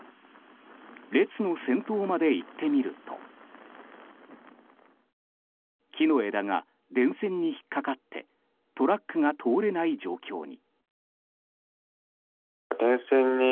列の先頭まで行ってみると木の枝が電線に引っかかってトラックが通れない状況に。